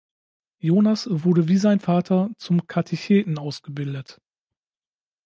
Jonas wurde wie sein Vater zum Katecheten ausgebildet.